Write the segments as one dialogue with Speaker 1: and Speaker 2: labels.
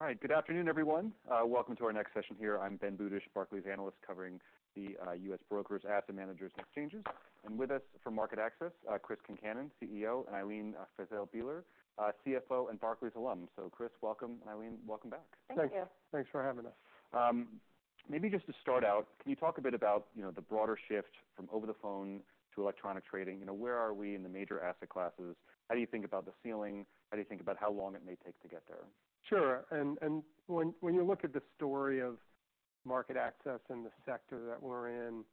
Speaker 1: Hi, good afternoon, everyone. Welcome to our next session here. I'm Ben Budish, Barclays analyst, covering the US brokers, asset managers, and exchanges. And with us from MarketAxess, Chris Concannon, CEO, and Ilene Fiszel Bieler, CFO, and Barclays alum. So Chris, welcome, and Ilene, welcome back.
Speaker 2: Thank you.
Speaker 3: Thank you. Thanks for having us.
Speaker 1: Maybe just to start out, can you talk a bit about, you know, the broader shift from over the phone to electronic trading? You know, where are we in the major asset classes? How do you think about the ceiling? How do you think about how long it may take to get there?
Speaker 3: Sure. And when you look at the story of MarketAxess and the sector that we're in,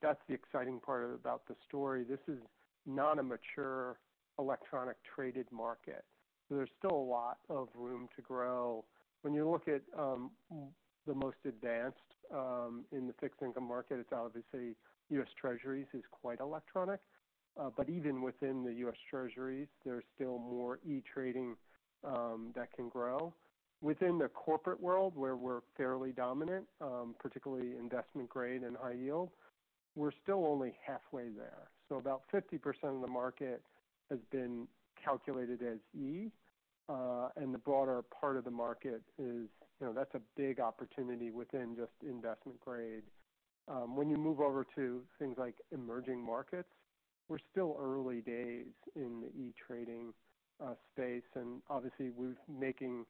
Speaker 3: that's the exciting part about the story. This is not a mature electronic traded market, so there's still a lot of room to grow. When you look at the most advanced in the fixed income market, it's obviously U.S. Treasuries is quite electronic. But even within the U.S. Treasuries, there's still more e-trading that can grow. Within the corporate world, where we're fairly dominant, particularly investment grade and high yield, we're still only halfway there. So about 50% of the market has been calculated as E, and the broader part of the market is, you know, that's a big opportunity within just investment grade. When you move over to things like emerging markets, we're still early days in the e-trading space, and obviously, we're making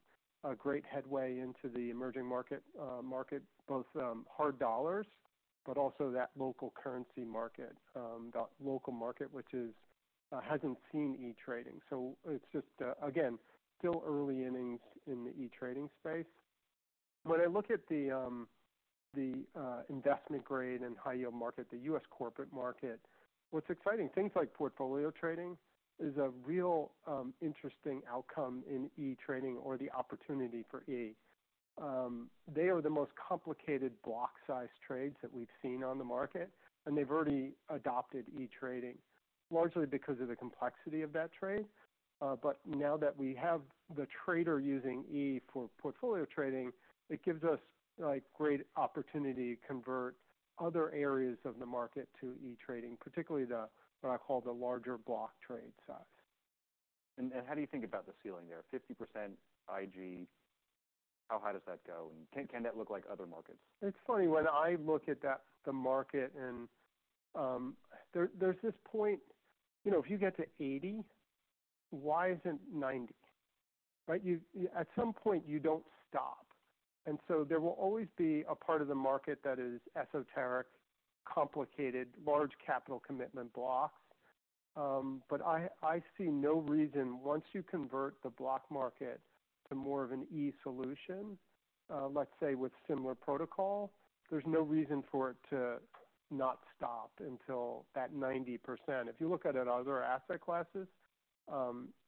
Speaker 3: great headway into the emerging market, both hard dollars, but also that local currency market, the local market, which hasn't seen e-trading. So it's just, again, still early innings in the e-trading space. When I look at the investment grade and high yield market, the U.S. corporate market, what's exciting, things like portfolio trading, is a real interesting outcome in e-trading or the opportunity for E. They are the most complicated block size trades that we've seen on the market, and they've already adopted e-trading, largely because of the complexity of that trade. But now that we have the trader using E for portfolio trading, it gives us, like, great opportunity to convert other areas of the market to e-trading, particularly the, what I call the larger block trade size.
Speaker 1: How do you think about the ceiling there? 50% IG, how high does that go, and can that look like other markets?
Speaker 3: It's funny, when I look at that, the market and, there's this point, you know, if you get to 80, why isn't 90, right? You, at some point, you don't stop. And so there will always be a part of the market that is esoteric, complicated, large capital commitment blocks. But I, I see no reason once you convert the block market to more of an E solution, let's say, with similar protocol, there's no reason for it to not stop until that 90%. If you look at it, other asset classes,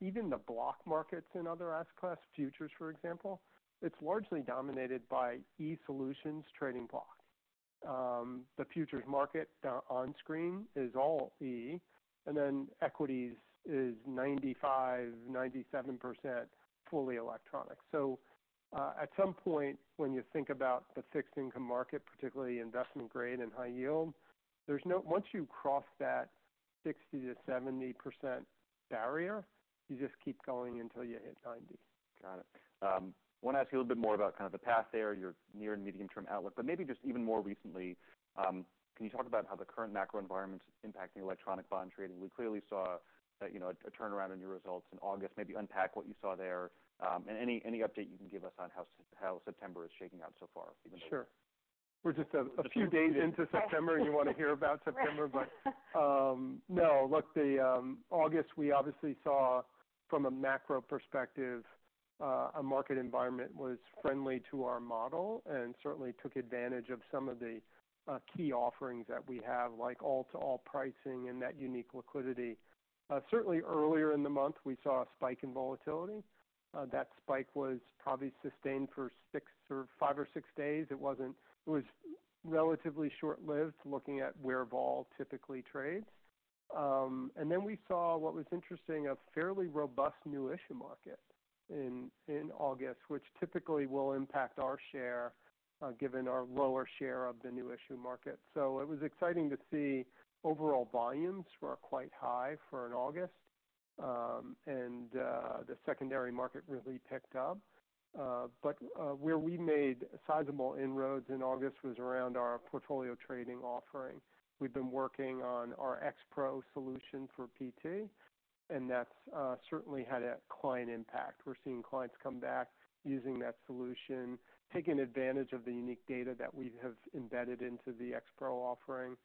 Speaker 3: even the block markets in other asset class, futures, for example, it's largely dominated by E solutions trading block. The futures market, on screen is all E, and then equities is 95%-97% fully electronic. At some point, when you think about the fixed income market, particularly investment grade and high yield, once you cross that 60%-70% barrier, you just keep going until you hit 90%.
Speaker 1: Got it. I want to ask you a little bit more about kind of the path there, your near and medium-term outlook, but maybe just even more recently, can you talk about how the current macro environment is impacting electronic bond trading? We clearly saw a, you know, a turnaround in your results in August. Maybe unpack what you saw there, and any update you can give us on how September is shaking out so far, even?
Speaker 3: Sure. We're just a few days into September, and you want to hear about September. But, no. Look, the August, we obviously saw from a macro perspective, a market environment was friendly to our model and certainly took advantage of some of the key offerings that we have, like all-to-all pricing and that unique liquidity. Certainly earlier in the month, we saw a spike in volatility. That spike was probably sustained for six or five or six days. It was relatively short-lived, looking at where vol typically trades. And then we saw what was interesting, a fairly robust new issue market in August, which typically will impact our share, given our lower share of the new issue market. So it was exciting to see overall volumes were quite high for an August, and the secondary market really picked up. But where we made sizable inroads in August was around our portfolio trading offering. We've been working on our X-Pro solution for PT, and that's certainly had a client impact. We're seeing clients come back using that solution, taking advantage of the unique data that we have embedded into the X-Pro offering.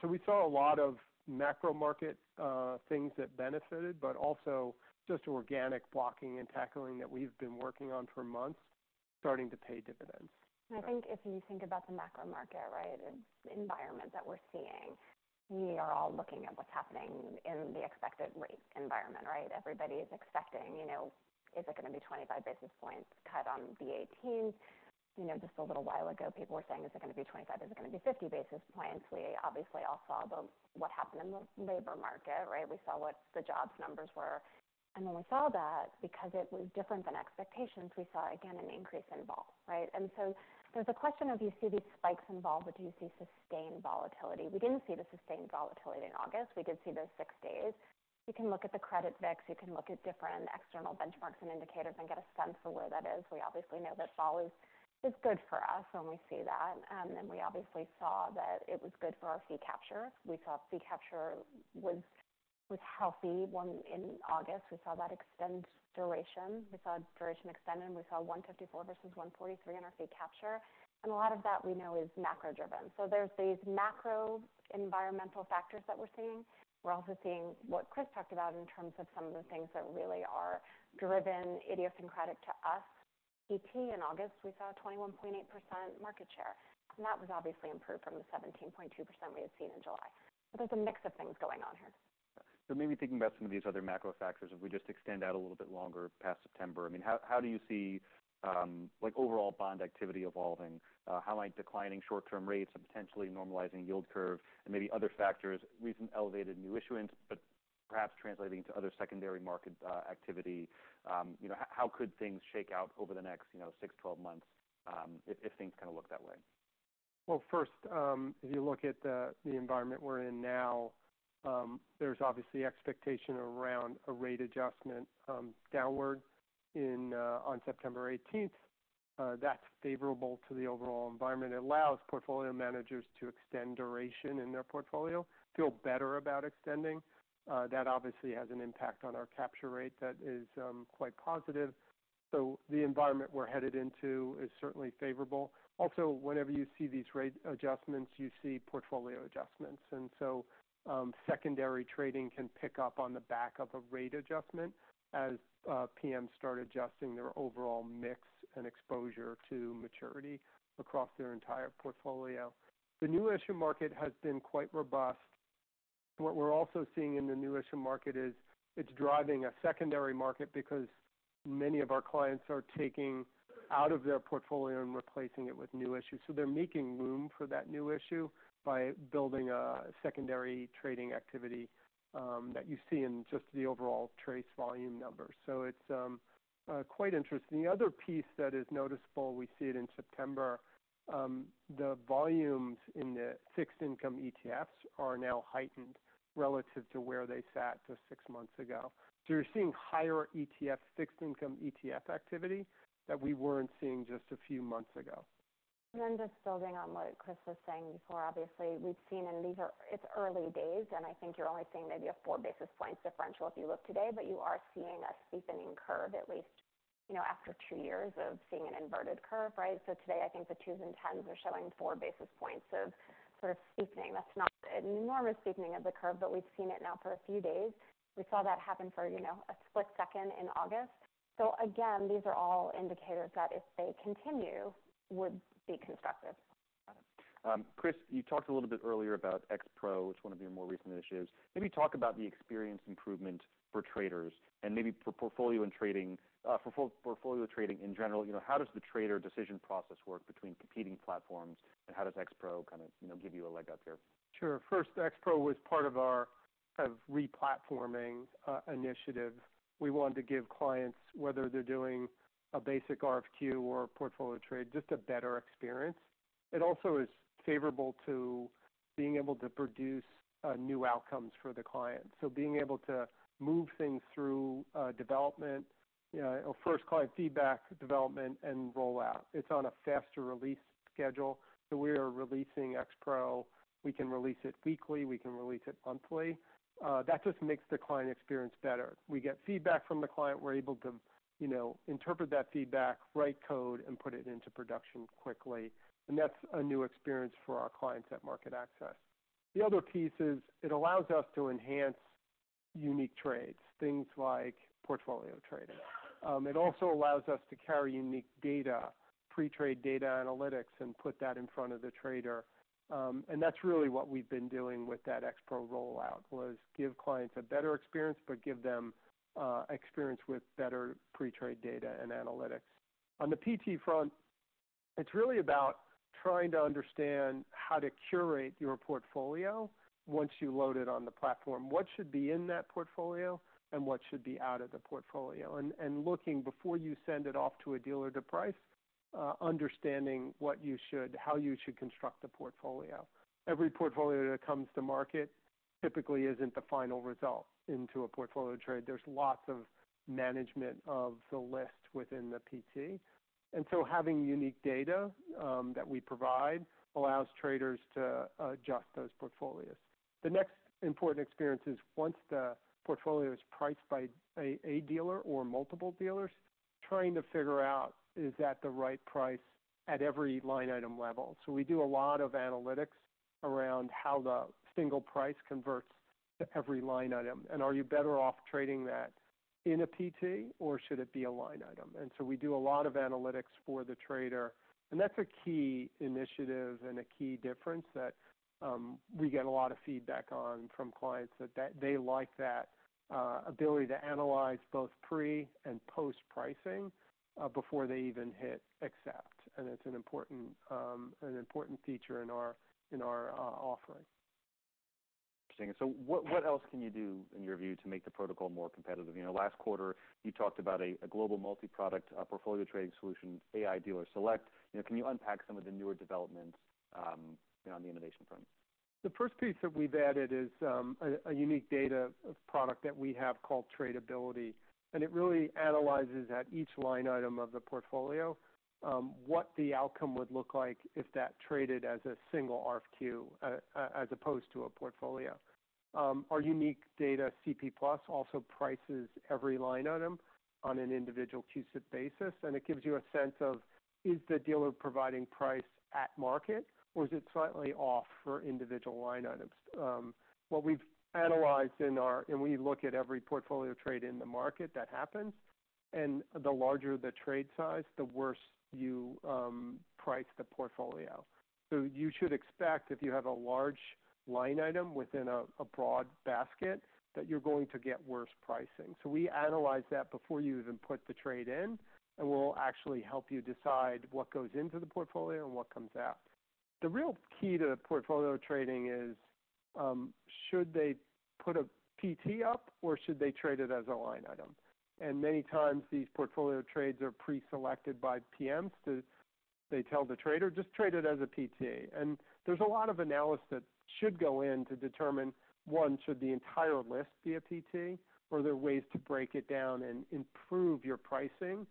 Speaker 3: So we saw a lot of macro market things that benefited, but also just organic blocking and tackling that we've been working on for months, starting to pay dividends.
Speaker 2: I think if you think about the macro market, right, environment that we're seeing, we are all looking at what's happening in the expected rate environment, right? Everybody is expecting, you know, is it gonna be 25 basis points cut on the 18th? You know, just a little while ago, people were saying, "Is it gonna be 25? Is it gonna be 50 basis points?" We obviously all saw the, what happened in the labor market, right? We saw what the jobs numbers were. And when we saw that, because it was different than expectations, we saw again an increase in vol, right? And so there's a question of, do you see these spikes in vol, but do you see sustained volatility? We didn't see the sustained volatility in August. We did see those six days. You can look at the credit VIX, you can look at different external benchmarks and indicators and get a sense for where that is. We obviously know that vol is good for us when we see that, and we obviously saw that it was good for our fee capture. We saw fee capture was healthy when in August, we saw that extend duration. We saw duration extended, and we saw 154 versus 143 in our fee capture, and a lot of that we know is macro-driven. So there's these macro environmental factors that we're seeing. We're also seeing what Chris talked about in terms of some of the things that really are driven idiosyncratic to us. EP, in August, we saw a 21.8% market share, and that was obviously improved from the 17.2% we had seen in July. So there's a mix of things going on here.
Speaker 1: So maybe thinking about some of these other macro factors, if we just extend out a little bit longer past September, I mean, how do you see, like, overall bond activity evolving? How might declining short-term rates and potentially normalizing yield curve and maybe other factors, recent elevated new issuance, but perhaps translating into other secondary market activity, you know, how could things shake out over the next, you know, six, twelve months, if things kind of look that way?
Speaker 3: First, if you look at the environment we're in now, there's obviously expectation around a rate adjustment, downward in on September 18th. That's favorable to the overall environment. It allows portfolio managers to extend duration in their portfolio, feel better about extending. That obviously has an impact on our capture rate that is quite positive. So the environment we're headed into is certainly favorable. Also, whenever you see these rate adjustments, you see portfolio adjustments, and so secondary trading can pick up on the back of a rate adjustment as PMs start adjusting their overall mix and exposure to maturity across their entire portfolio. The new issue market has been quite robust. What we're also seeing in the new issue market is it's driving a secondary market because many of our clients are taking out of their portfolio and replacing it with new issues. So they're making room for that new issue by building a secondary trading activity that you see in just the overall TRACE volume numbers. So it's quite interesting. The other piece that is noticeable, we see it in September, the volumes in the fixed income ETFs are now heightened relative to where they sat just six months ago. So you're seeing higher fixed income ETF activity that we weren't seeing just a few months ago.
Speaker 2: And then just building on what Chris was saying before, obviously, we've seen, and these are. It's early days, and I think you're only seeing maybe a four basis points differential if you look today, but you are seeing a steepening curve, at least, you know, after two years of seeing an inverted curve, right? So today, I think the 2s and 10s are showing four basis points of sort of steepening. That's not an enormous steepening of the curve, but we've seen it now for a few days. We saw that happen for, you know, a split second in August. So again, these are all indicators that if they continue, would be constructive.
Speaker 1: Got it. Chris, you talked a little bit earlier about X-Pro, which is one of your more recent initiatives. Maybe talk about the experience improvement for traders and maybe for portfolio trading in general. You know, how does the trader decision process work between competing platforms, and how does X-Pro kind of, you know, give you a leg up there?
Speaker 3: Sure. First, X-Pro was part of our kind of replatforming, initiative. We wanted to give clients, whether they're doing a basic RFQ or a portfolio trade, just a better experience. It also is favorable to being able to produce, new outcomes for the client. So being able to move things through, development, you know, or first client feedback, development, and rollout. It's on a faster release schedule, so we are releasing X-Pro. We can release it weekly, we can release it monthly. That just makes the client experience better. We get feedback from the client, we're able to, you know, interpret that feedback, write code, and put it into production quickly, and that's a new experience for our clients at MarketAxess. The other piece is it allows us to enhance unique trades, things like portfolio trading. It also allows us to carry unique data, pre-trade data analytics, and put that in front of the trader, and that's really what we've been doing with that X-Pro rollout, was give clients a better experience, but give them experience with better pre-trade data and analytics. On the PT front, it's really about trying to understand how to curate your portfolio once you load it on the platform. What should be in that portfolio, and what should be out of the portfolio, and looking before you send it off to a dealer to price, how you should construct the portfolio. Every portfolio that comes to market typically isn't the final result into a portfolio trade. There's lots of management of the list within the PT, and so having unique data that we provide allows traders to adjust those portfolios. The next important experience is once the portfolio is priced by a dealer or multiple dealers, trying to figure out, is that the right price at every line item level? So we do a lot of analytics around how the single price converts to every line item, and are you better off trading that in a PT, or should it be a line item? And so we do a lot of analytics for the trader, and that's a key initiative and a key difference that we get a lot of feedback on from clients, that they like that ability to analyze both pre and post-pricing before they even hit accept. And it's an important feature in our offering.
Speaker 1: Interesting. So what, what else can you do, in your view, to make the protocol more competitive? You know, last quarter, you talked about a, a global multi-product, portfolio trading solution, AI Dealer Select. You know, can you unpack some of the newer developments, you know, on the innovation front?
Speaker 3: The first piece that we've added is a unique data product that we have called Tradability, and it really analyzes at each line item of the portfolio, what the outcome would look like if that traded as a single RFQ, as opposed to a portfolio. Our unique data, CP+, also prices every line item on an individual use basis, and it gives you a sense of, is the dealer providing price at market, or is it slightly off for individual line items? What we've analyzed in our and we look at every portfolio trade in the market that happens, and the larger the trade size, the worse you price the portfolio. So you should expect, if you have a large line item within a broad basket, that you're going to get worse pricing. So we analyze that before you even put the trade in, and we'll actually help you decide what goes into the portfolio and what comes out. The real key to portfolio trading is, should they put a PT up, or should they trade it as a line item? And many times these portfolio trades are preselected by PMs to... They tell the trader, "Just trade it as a PT." And there's a lot of analysis that should go in to determine, one, should the entire list be a PT, or are there ways to break it down and improve your pricing,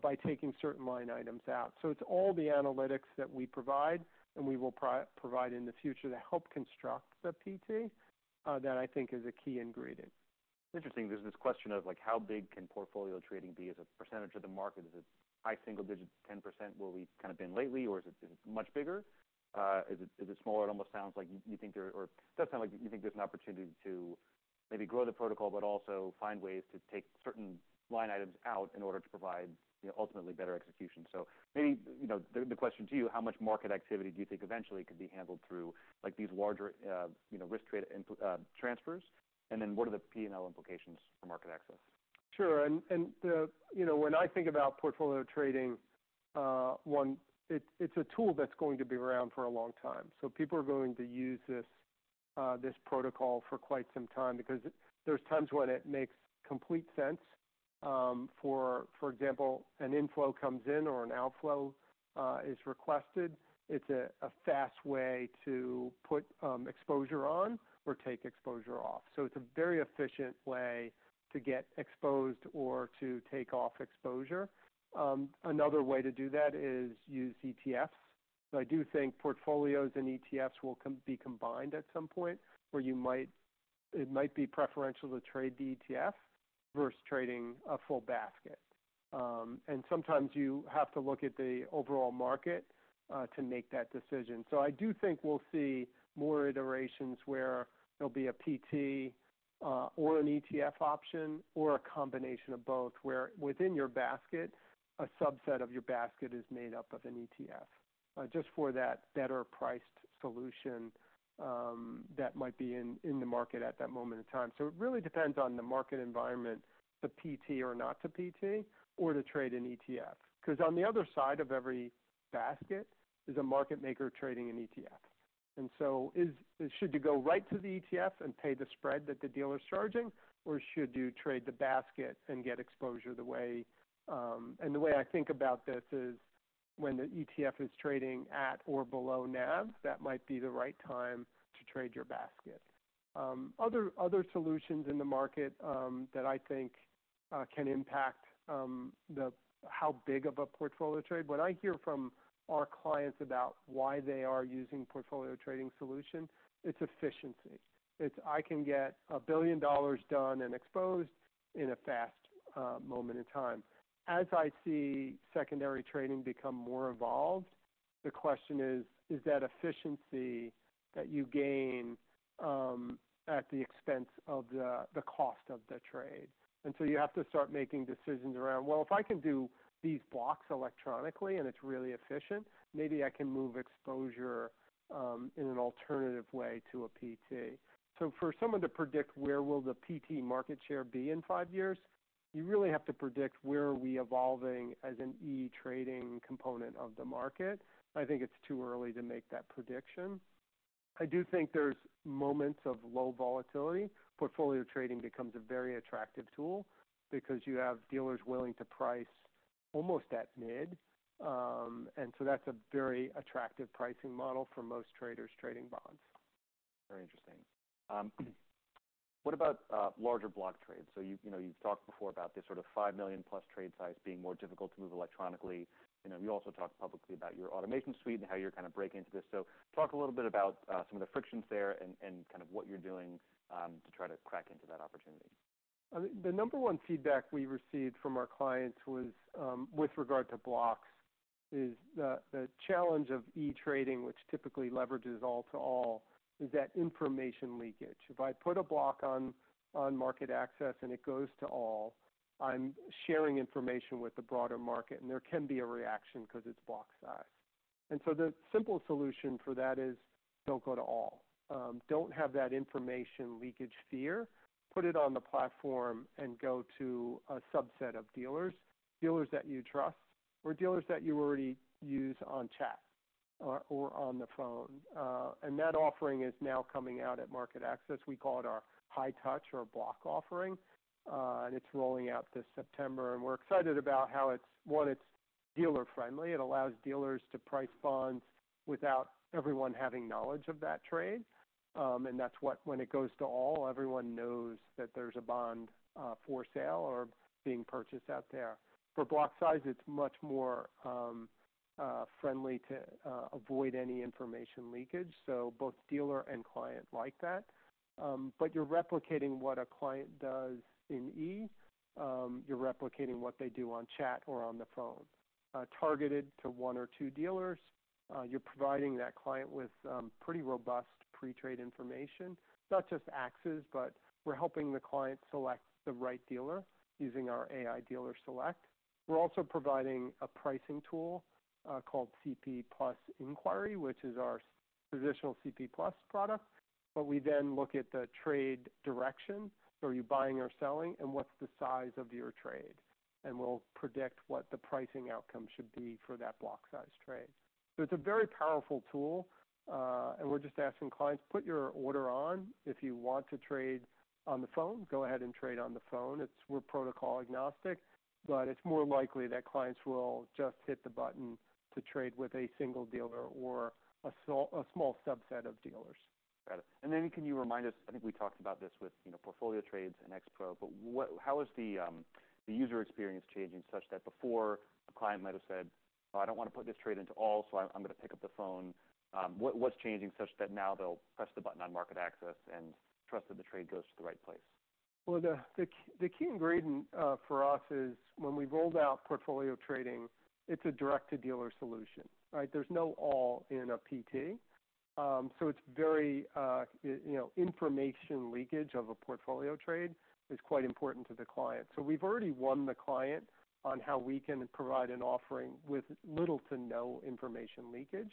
Speaker 3: by taking certain line items out? So it's all the analytics that we provide, and we will provide in the future to help construct the PT, that I think is a key ingredient.
Speaker 1: Interesting. There's this question of like, how big can portfolio trading be as a percentage of the market? Is it high single digits, 10%, where we've kind of been lately, or is it much bigger? Is it smaller? It almost sounds like you think there... or it does sound like you think there's an opportunity to maybe grow the protocol, but also find ways to take certain line items out in order to provide, you know, ultimately better execution. So maybe, you know, the question to you, how much market activity do you think eventually could be handled through, like these larger, you know, risk trade input transfers? And then what are the P&L implications for MarketAxess?
Speaker 3: Sure. And, you know, when I think about portfolio trading, it's a tool that's going to be around for a long time. So people are going to use this, this protocol for quite some time because there's times when it makes complete sense, for example, an inflow comes in or an outflow is requested. It's a fast way to put exposure on or take exposure off. So it's a very efficient way to get exposed or to take off exposure. Another way to do that is use ETFs. So I do think portfolios and ETFs will be combined at some point, where it might be preferential to trade the ETF versus trading a full basket. And sometimes you have to look at the overall market to make that decision. I do think we'll see more iterations where there'll be a PT, or an ETF option, or a combination of both, where within your basket, a subset of your basket is made up of an ETF, just for that better-priced solution, that might be in the market at that moment in time. It really depends on the market environment, to PT or not to PT, or to trade an ETF. 'Cause on the other side of every basket is a market maker trading an ETF. So, should you go right to the ETF and pay the spread that the dealer's charging, or should you trade the basket and get exposure the way. The way I think about this is when the ETF is trading at or below NAV, that might be the right time to trade your basket. Other solutions in the market that I think can impact the how big of a portfolio trade. When I hear from our clients about why they are using portfolio trading solution, it's efficiency. It's, "I can get $1 billion done and exposed in a fast moment in time." As I see secondary trading become more evolved, the question is: Is that efficiency that you gain at the expense of the cost of the trade, and so you have to start making decisions around, "Well, if I can do these blocks electronically, and it's really efficient, maybe I can move exposure in an alternative way to a PT, so for someone to predict where will the PT market share be in five years, you really have to predict where are we evolving as an e-trading component of the market. I think it's too early to make that prediction. I do think there's moments of low volatility. Portfolio trading becomes a very attractive tool because you have dealers willing to price almost at mid, and so that's a very attractive pricing model for most traders trading bonds.
Speaker 1: Very interesting. What about larger block trades? So you've, you know, you've talked before about this sort of $5 million+ trade size being more difficult to move electronically. You know, you also talked publicly about your automation suite and how you're kind of breaking into this. So talk a little bit about some of the frictions there and kind of what you're doing to try to crack into that opportunity.
Speaker 3: The number one feedback we received from our clients was, with regard to blocks, is the challenge of e-trading, which typically leverages all-to-all, is that information leakage. If I put a block on MarketAxess, and it goes to all, I'm sharing information with the broader market, and there can be a reaction because it's block size. And so the simple solution for that is, don't go to all. Don't have that information leakage fear. Put it on the platform and go to a subset of dealers, dealers that you trust or dealers that you already use on chat... or on the phone. And that offering is now coming out at MarketAxess. We call it our high touch or block offering, and it's rolling out this September, and we're excited about how it's one, it's dealer-friendly. It allows dealers to price bonds without everyone having knowledge of that trade, and that's what, when it goes to all-to-all, everyone knows that there's a bond for sale or being purchased out there. For block size, it's much more friendly to avoid any information leakage, so both dealer and client like that, but you're replicating what a client does in EMS. You're replicating what they do on chat or on the phone, targeted to one or two dealers, you're providing that client with pretty robust pre-trade information, not just axes, but we're helping the client select the right dealer using our AI Dealer Select. We're also providing a pricing tool called CP+ Inquiry, which is our traditional CP+ product, but we then look at the trade direction. Are you buying or selling, and what's the size of your trade? We'll predict what the pricing outcome should be for that block-size trade. It's a very powerful tool, and we're just asking clients, put your order on. If you want to trade on the phone, go ahead and trade on the phone. It's. We're protocol agnostic, but it's more likely that clients will just hit the button to trade with a single dealer or a small subset of dealers.
Speaker 1: Got it. And then can you remind us? I think we talked about this with, you know, portfolio trades and X-Pro, but how is the user experience changing, such that before a client might have said, "I don't want to put this trade into all, so I'm gonna pick up the phone." What's changing such that now they'll press the button on MarketAxess and trust that the trade goes to the right place?
Speaker 3: The key ingredient for us is when we rolled out portfolio trading. It's a direct-to-dealer solution, right? There's no all-to-all in a PT. So it's very, you know, information leakage of a portfolio trade is quite important to the client. So we've already won the client on how we can provide an offering with little to no information leakage,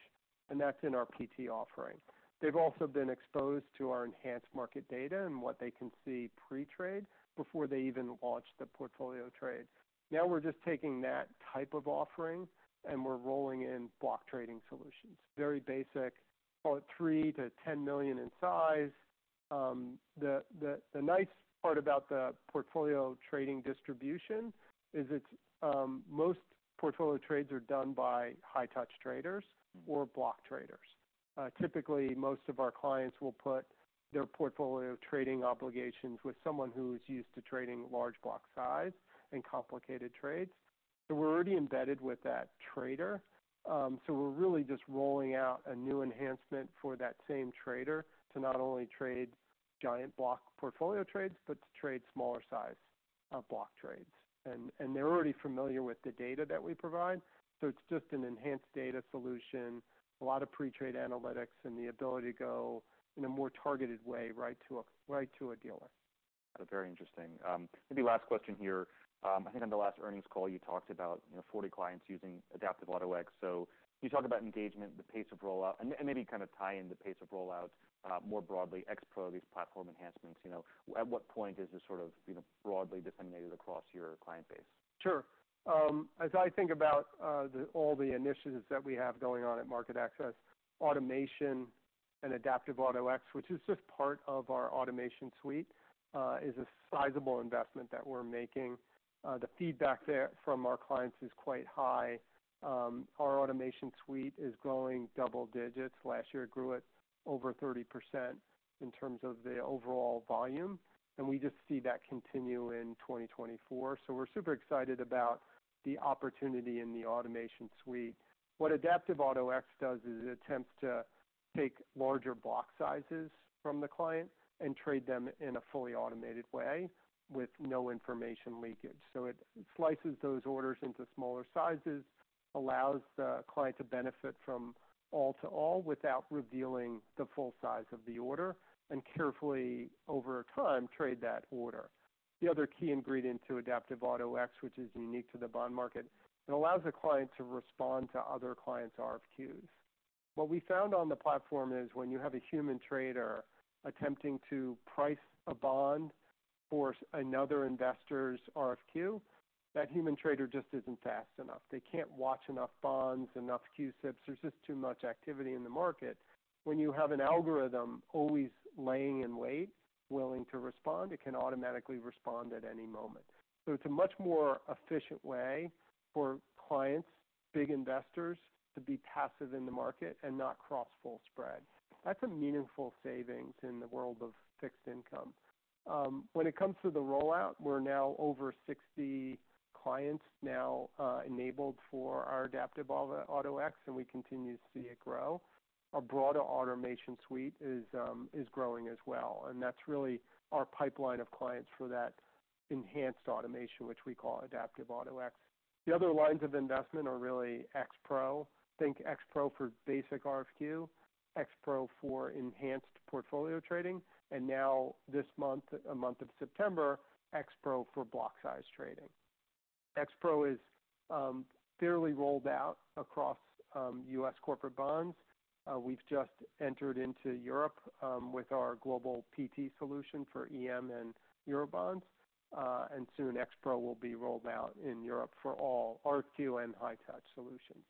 Speaker 3: and that's in our PT offering. They've also been exposed to our enhanced market data and what they can see pre-trade before they even launch the portfolio trade. Now, we're just taking that type of offering, and we're rolling in block trading solutions. Very basic, call it $3 million-$10 million in size. The nice part about the portfolio trading distribution is it's most portfolio trades are done by high touch traders.
Speaker 1: Mm-hmm.
Speaker 3: or block traders. Typically, most of our clients will put their portfolio trading obligations with someone who is used to trading large block size and complicated trades. So we're already embedded with that trader. So we're really just rolling out a new enhancement for that same trader to not only trade giant block portfolio trades, but to trade smaller size block trades. And they're already familiar with the data that we provide, so it's just an enhanced data solution, a lot of pre-trade analytics, and the ability to go in a more targeted way, right to a dealer.
Speaker 1: Very interesting. Maybe last question here. I think on the last earnings call, you talked about, you know, 40 clients using Adaptive Auto-X. So can you talk about engagement, the pace of rollout, and maybe kind of tie in the pace of rollout, more broadly, X-Pro, these platform enhancements, you know? At what point is this sort of, you know, broadly disseminated across your client base?
Speaker 3: Sure. As I think about all the initiatives that we have going on at MarketAxess, automation and Adaptive Auto-X, which is just part of our automation suite, is a sizable investment that we're making. The feedback there from our clients is quite high. Our automation suite is growing double digits. Last year, it grew at over 30% in terms of the overall volume, and we just see that continue in 2024, so we're super excited about the opportunity in the automation suite. What Adaptive Auto-X does is it attempts to take larger block sizes from the client and trade them in a fully automated way with no information leakage, so it slices those orders into smaller sizes, allows the client to benefit from all to all, without revealing the full size of the order, and carefully, over time, trade that order. The other key ingredient to Adaptive Auto-X, which is unique to the bond market, it allows the client to respond to other clients' RFQs. What we found on the platform is when you have a human trader attempting to price a bond for another investor's RFQ, that human trader just isn't fast enough. They can't watch enough bonds, enough CUSIPs. There's just too much activity in the market. When you have an algorithm always laying in wait, willing to respond, it can automatically respond at any moment. So it's a much more efficient way for clients, big investors, to be passive in the market and not cross full spread. That's a meaningful savings in the world of fixed income. When it comes to the rollout, we're now over 60 clients now, enabled for our Adaptive Auto-X, and we continue to see it grow. Our broader automation suite is growing as well, and that's really our pipeline of clients for that enhanced automation, which we call Adaptive Auto-X. The other lines of investment are really X-Pro. Think X-Pro for basic RFQ, X-Pro for enhanced portfolio trading, and now this month, a month of September, X-Pro for block size trading. X-Pro is fairly rolled out across U.S. corporate bonds. We've just entered into Europe with our global PT solution for EM and Eurobonds. And soon X-Pro will be rolled out in Europe for all RFQ and high touch solutions.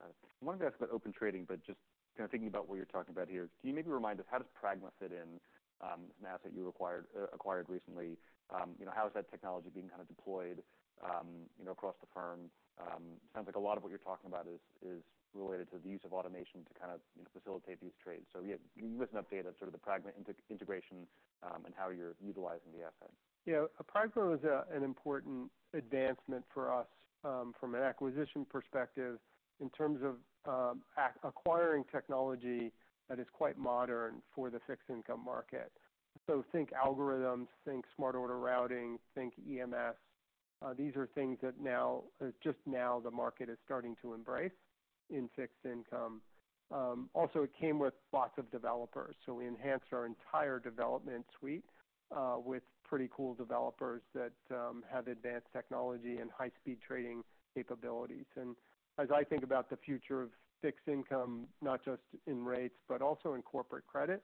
Speaker 1: Got it. I wanted to ask about Open Trading, but just kind of thinking about what you're talking about here, can you maybe remind us how does Pragma fit in, an asset you acquired recently? You know, how is that technology being kind of deployed, you know, across the firm? It sounds like a lot of what you're talking about is related to the use of automation to kind of, you know, facilitate these trades. So give us an update on sort of the Pragma integration, and how you're utilizing the asset.
Speaker 3: Yeah. Pragma was an important advancement for us from an acquisition perspective, in terms of acquiring technology that is quite modern for the fixed income market. So think algorithms, think smart order routing, think EMS. These are things that now just now the market is starting to embrace in fixed income. Also, it came with lots of developers, so we enhanced our entire development suite with pretty cool developers that have advanced technology and high-speed trading capabilities. And as I think about the future of fixed income, not just in rates but also in corporate credit,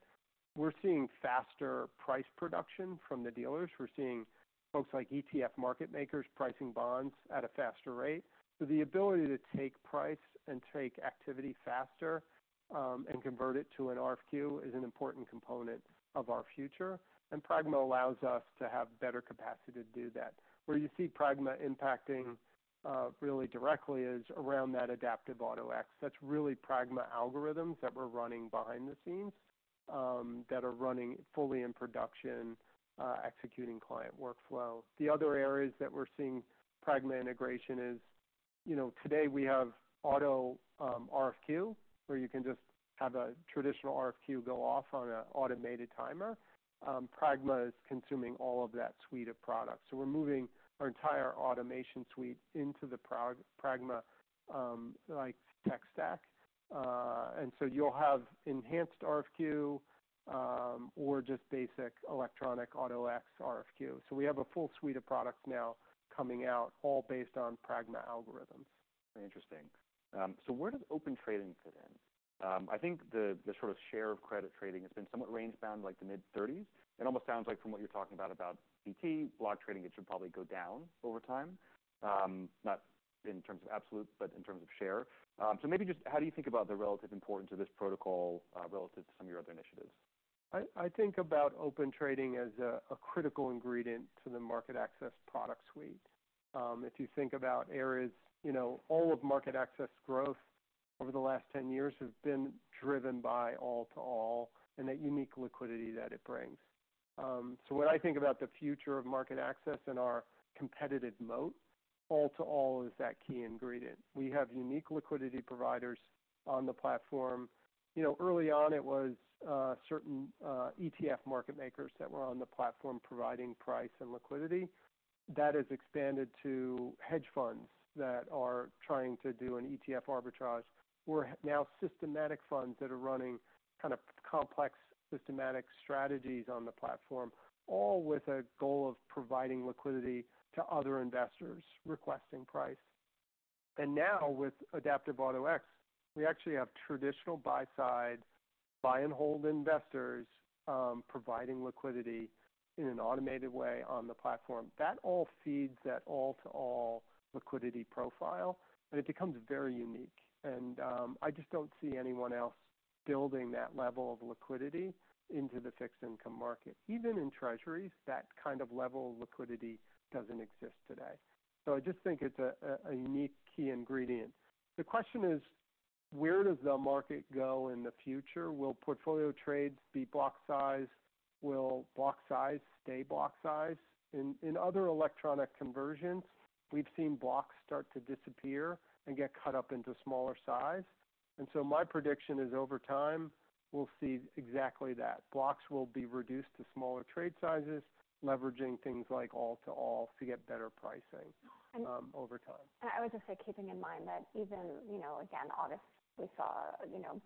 Speaker 3: we're seeing faster price production from the dealers. We're seeing folks like ETF market makers, pricing bonds at a faster rate. So the ability to take price and take activity faster, and convert it to an RFQ, is an important component of our future, and Pragma allows us to have better capacity to do that. Where you see Pragma impacting, really directly is around that Adaptive Auto-X. That's really Pragma algorithms that we're running behind the scenes, that are running fully in production, executing client workflow. The other areas that we're seeing Pragma integration is, you know, today we have auto RFQ, where you can just have a traditional RFQ go off on an automated timer. Pragma is consuming all of that suite of products, so we're moving our entire automation suite into the Pragma, like, tech stack. And so you'll have enhanced RFQ, or just basic electronic Auto-X RFQ. So we have a full suite of products now coming out, all based on Pragma algorithms.
Speaker 1: Very interesting. So where does Open Trading fit in? I think the sort of share of credit trading has been somewhat range bound, like the mid-30s? It almost sounds like from what you're talking about, about BT, block trading, it should probably go down over time, not in terms of absolute, but in terms of share. So maybe just how do you think about the relative importance of this protocol, relative to some of your other initiatives?
Speaker 3: I think about Open Trading as a critical ingredient to the MarketAxess product suite. If you think about areas, you know, all of MarketAxess growth over the last ten years has been driven by all-to-all and that unique liquidity that it brings. So when I think about the future of MarketAxess and our competitive moat, all-to-all is that key ingredient. We have unique liquidity providers on the platform. You know, early on, it was certain ETF market makers that were on the platform, providing price and liquidity. That has expanded to hedge funds that are trying to do an ETF arbitrage, or now systematic funds that are running kind of complex systematic strategies on the platform, all with a goal of providing liquidity to other investors requesting price. Now with Adaptive Auto-X, we actually have traditional buy-side, buy and hold investors, providing liquidity in an automated way on the platform. That all feeds that all-to-all liquidity profile, and it becomes very unique. I just don't see anyone else building that level of liquidity into the fixed income market. Even in Treasuries, that kind of level of liquidity doesn't exist today. I just think it's a unique key ingredient. The question is: Where does the market go in the future? Will portfolio trades be block size? Will block size stay block size? In other electronic conversions, we've seen blocks start to disappear and get cut up into smaller size. My prediction is, over time, we'll see exactly that. Blocks will be reduced to smaller trade sizes, leveraging things like all-to-all to get better pricing, over time.
Speaker 2: I would just say, keeping in mind that even, you know, again, August, we saw, you know,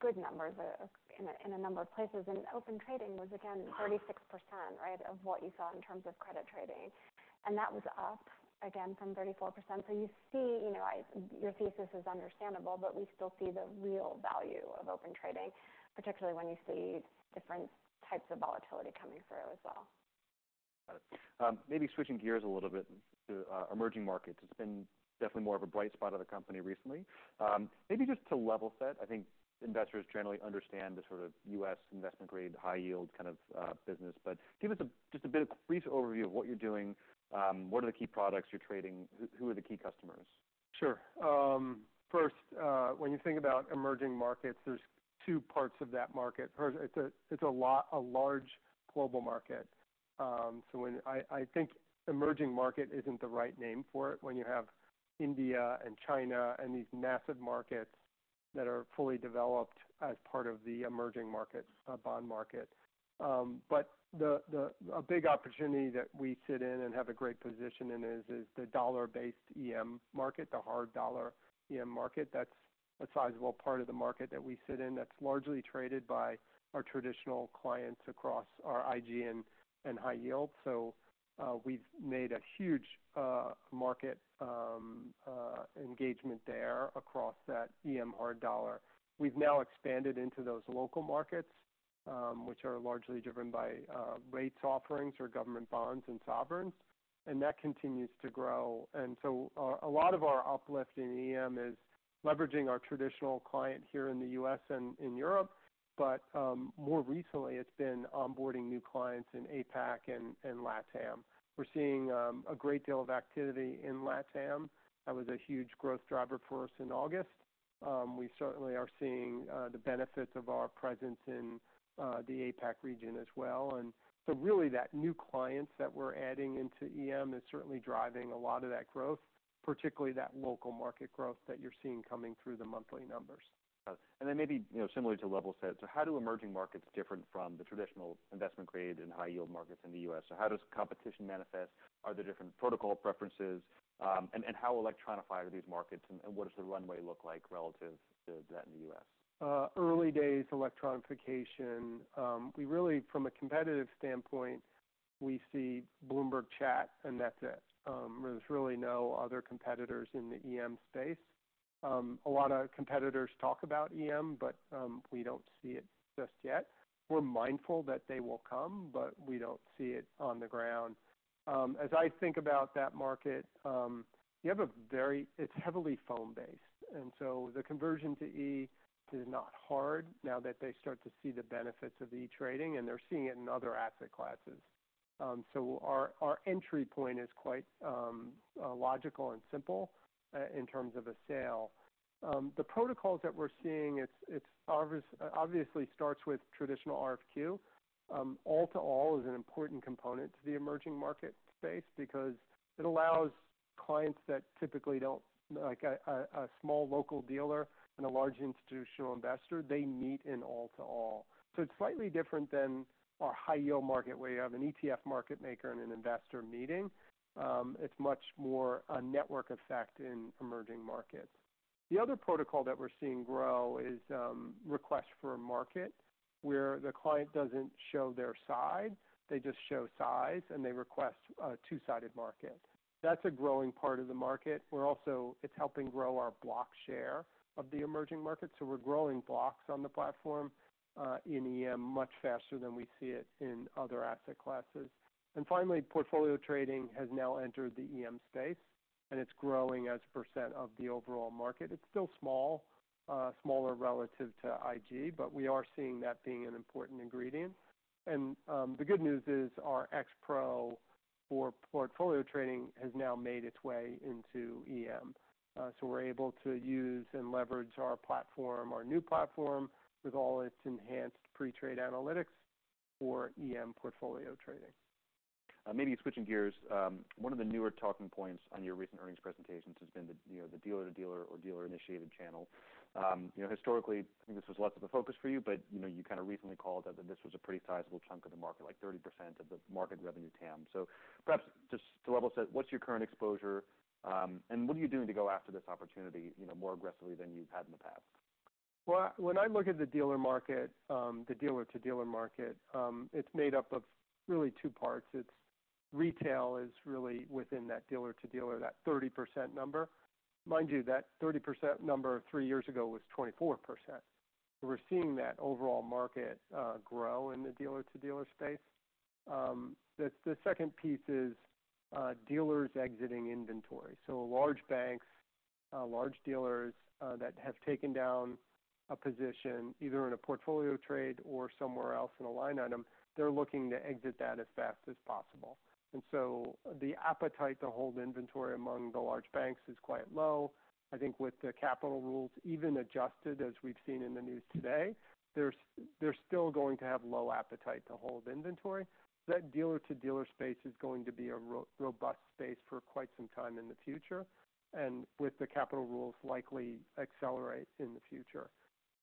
Speaker 2: good numbers in a number of places, and Open Trading was again 36%, right, of what you saw in terms of credit trading, and that was up again from 34%. So you see, you know, your thesis is understandable, but we still see the real value of Open Trading, particularly when you see different types of volatility coming through as well.
Speaker 1: Got it. Maybe switching gears a little bit to emerging markets. It's been definitely more of a bright spot of the company recently. Maybe just to level set, I think investors generally understand the sort of U.S. investment grade, high yield kind of business, but give us just a bit of brief overview of what you're doing. What are the key products you're trading? Who are the key customers?
Speaker 3: Sure. First, when you think about emerging markets, there's two parts of that market. First, it's a lot, a large global market, so I think emerging market isn't the right name for it, when you have India and China and these massive markets that are fully developed as part of the emerging markets bond market, but a big opportunity that we sit in and have a great position in is the dollar-based EM market, the hard dollar EM market. That's a sizable part of the market that we sit in, that's largely traded by our traditional clients across our IG and high yield, so we've made a huge market engagement there across that EM hard dollar. We've now expanded into those local markets. which are largely driven by rates offerings or government bonds and sovereigns, and that continues to grow. And so a lot of our uplift in EM is leveraging our traditional client here in the US and in Europe, but more recently, it's been onboarding new clients in APAC and LATAM. We're seeing a great deal of activity in LATAM. That was a huge growth driver for us in August. We certainly are seeing the benefits of our presence in the APAC region as well. And so really, that new clients that we're adding into EM is certainly driving a lot of that growth, particularly that local market growth that you're seeing coming through the monthly numbers.
Speaker 1: Got it. And then maybe, you know, similarly to level set, so how do emerging markets differ from the traditional investment grade and high yield markets in the US? So how does competition manifest? Are there different protocol preferences? And how electronified are these markets, and what does the runway look like relative to that in the US?
Speaker 3: Early days electronification. We really, from a competitive standpoint, we see Bloomberg Chat, and that's it. There's really no other competitors in the EM space. A lot of competitors talk about EM, but we don't see it just yet. We're mindful that they will come, but we don't see it on the ground. As I think about that market, you have a very... It's heavily phone-based, and so the conversion to E is not hard now that they start to see the benefits of e-trading, and they're seeing it in other asset classes. So our entry point is quite logical and simple in terms of a sale. The protocols that we're seeing, it obviously starts with traditional RFQ. All-to-all is an important component to the emerging market space because it allows clients that typically don't. Like a small local dealer and a large institutional investor, they meet in all-to-all, so it's slightly different than our high yield market, where you have an ETF market maker and an investor meeting. It's much more a network effect in emerging markets. The other protocol that we're seeing grow is request for a market, where the client doesn't show their side, they just show size, and they request a two-sided market. That's a growing part of the market. It's helping grow our block share of the emerging market, so we're growing blocks on the platform in EM much faster than we see it in other asset classes. Finally, portfolio trading has now entered the EM space, and it's growing as a percent of the overall market. It's still small, smaller relative to IG, but we are seeing that being an important ingredient. The good news is, our X-Pro for portfolio trading has now made its way into EM. We're able to use and leverage our platform, our new platform, with all its enhanced pre-trade analytics for EM portfolio trading.
Speaker 1: Maybe switching gears. One of the newer talking points on your recent earnings presentations has been the, you know, the dealer-to-dealer or dealer-initiated channel. You know, historically, I think this was less of a focus for you, but, you know, you kind of recently called out that this was a pretty sizable chunk of the market, like 30% of the market revenue TAM. So perhaps just to level set, what's your current exposure, and what are you doing to go after this opportunity, you know, more aggressively than you've had in the past?
Speaker 3: When I look at the dealer market, the dealer-to-dealer market, it's made up of really two parts. It's retail is really within that dealer-to-dealer, that 30% number. Mind you, that 30% number three years ago was 24%. We're seeing that overall market grow in the dealer-to-dealer space. The second piece is dealers exiting inventory. So large banks, large dealers that have taken down a position, either in a portfolio trade or somewhere else in a line item, they're looking to exit that as fast as possible. And so the appetite to hold inventory among the large banks is quite low. I think with the capital rules, even adjusted, as we've seen in the news today, they're still going to have low appetite to hold inventory. So that dealer-to-dealer space is going to be a robust space for quite some time in the future, and with the capital rules, likely accelerate in the future.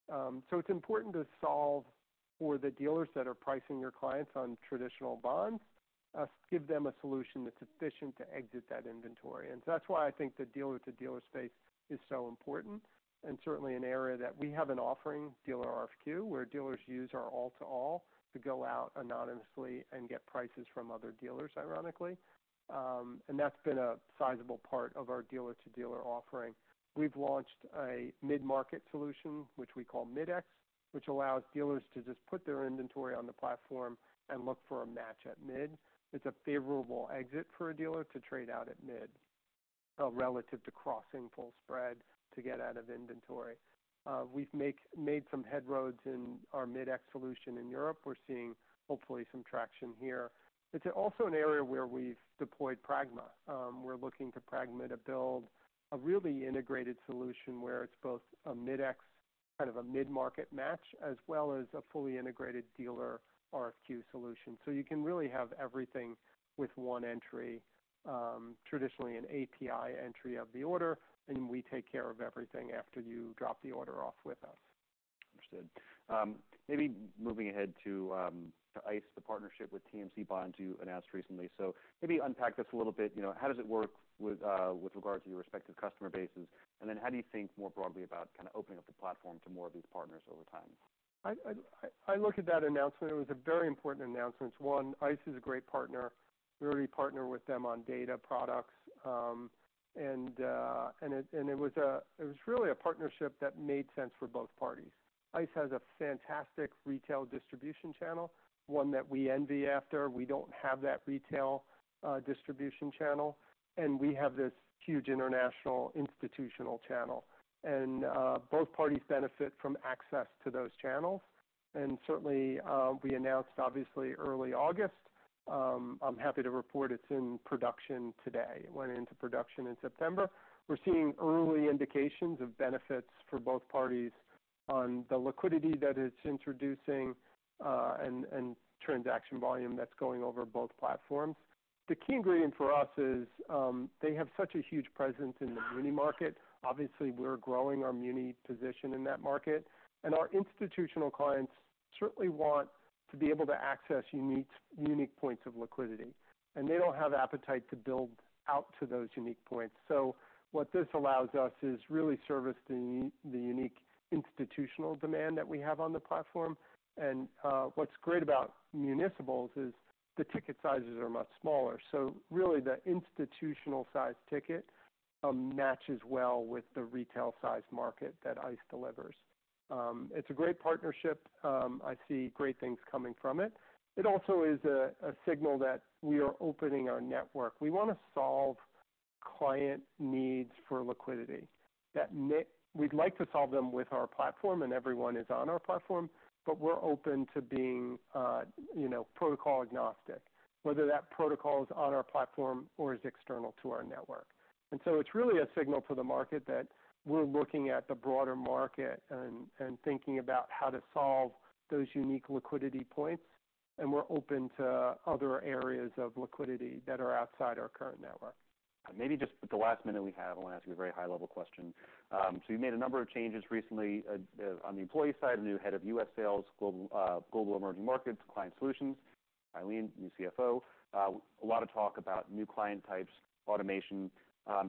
Speaker 3: So it's important to solve for the dealers that are pricing their clients on traditional bonds. Give them a solution that's efficient to exit that inventory. And so that's why I think the dealer-to-dealer space is so important, and certainly an area that we have an offering, Dealer RFQ, where dealers use our all-to-all to go out anonymously and get prices from other dealers, ironically. And that's been a sizable part of our dealer-to-dealer offering. We've launched a mid-market solution, which we call Mid-X, which allows dealers to just put their inventory on the platform and look for a match at mid. It's a favorable exit for a dealer to trade out at mid, relative to crossing full spread to get out of inventory. We've made some headway in our Mid-X solution in Europe. We're seeing, hopefully, some traction here. It's also an area where we've deployed Pragma. We're looking to Pragma to build a really integrated solution, where it's both a Mid-X, kind of a mid-market match, as well as a fully integrated Dealer RFQ solution. So you can really have everything with one entry, traditionally an API entry of the order, and we take care of everything after you drop the order off with us.
Speaker 1: Understood. Maybe moving ahead to ICE, the partnership with TMC Bonds you announced recently. So maybe unpack this a little bit. You know, how does it work with regard to your respective customer bases? And then how do you think more broadly about kind of opening up the platform to more of these partners over time? I look at that announcement, it was a very important announcement. One, ICE is a great partner. We already partner with them on data products. And it was really a partnership that made sense for both parties. ICE has a fantastic retail distribution channel, one that we envy after. We don't have that retail distribution channel, and we have this huge international institutional channel. And both parties benefit from access to those channels. And certainly we announced obviously early August. I'm happy to report it's in production today. It went into production in September. We're seeing early indications of benefits for both parties on the liquidity that it's introducing, and transaction volume that's going over both platforms. The key ingredient for us is they have such a huge presence in the muni market. Obviously, we're growing our muni position in that market, and our institutional clients certainly want to be able to access unique points of liquidity, and they don't have appetite to build out to those unique points. So what this allows us is really service the unique institutional demand that we have on the platform. And what's great about municipals is the ticket sizes are much smaller. So really, the institutional-size ticket matches well with the retail-size market that ICE delivers. It's a great partnership. I see great things coming from it. It also is a signal that we are opening our network. We want to solve client needs for liquidity. We'd like to solve them with our platform, and everyone is on our platform, but we're open to being, you know, protocol agnostic, whether that protocol is on our platform or is external to our network. And so it's really a signal to the market that we're looking at the broader market and thinking about how to solve those unique liquidity points, and we're open to other areas of liquidity that are outside our current network. Maybe just with the last minute we have, I want to ask you a very high-level question. So you made a number of changes recently on the employee side, a new head of U.S. sales, global, global emerging markets, client solutions, Ilene, new CFO, a lot of talk about new client types, automation.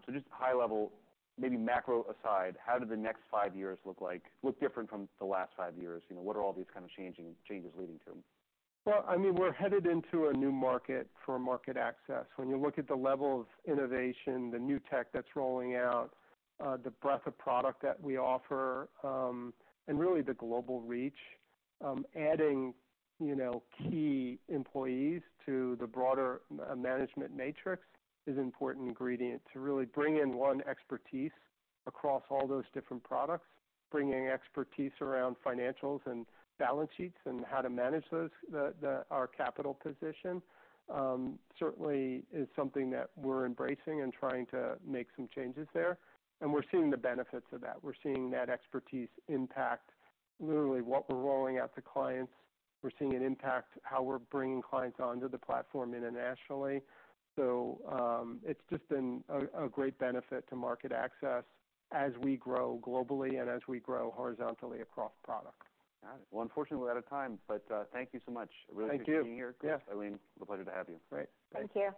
Speaker 1: So just high level, maybe macro aside, how do the next five years look like, look different from the last five years? You know, what are all these kind of changes leading to?
Speaker 3: I mean, we're headed into a new market for MarketAxess. When you look at the level of innovation, the new tech that's rolling out, the breadth of product that we offer, and really the global reach, adding, you know, key employees to the broader management matrix is an important ingredient to really bring in one expertise across all those different products. Bringing expertise around financials and balance sheets and how to manage those, our capital position, certainly is something that we're embracing and trying to make some changes there, and we're seeing the benefits of that. We're seeing that expertise impact literally what we're rolling out to clients. We're seeing an impact, how we're bringing clients onto the platform internationally. So, it's just been a great benefit to MarketAxess as we grow globally and as we grow horizontally across product.
Speaker 1: Got it. Well, unfortunately, we're out of time, but thank you so much.
Speaker 3: Thank you.
Speaker 1: Really appreciate you being here.
Speaker 3: Yeah.
Speaker 1: Ilene, a pleasure to have you.
Speaker 3: Great.
Speaker 2: Thank you.